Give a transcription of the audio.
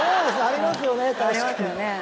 ありますよね。